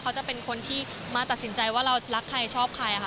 เขาจะเป็นคนที่มาตัดสินใจว่าเรารักใครชอบใครค่ะ